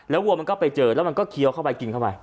วัวมันก็ไปเจอแล้วมันก็เคี้ยวเข้าไปกินเข้าไป